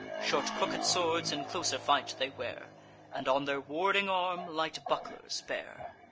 Short crooked swords in closer fight they wear; And on their warding arm light bucklers bear.